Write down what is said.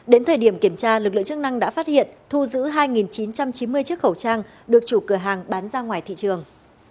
đến thời điểm kiểm tra lực lượng chức năng đã phát hiện thu giữ hai chín trăm chín mươi chiếc khẩu trang được chủ cửa hàng bán ra ngoài thị trường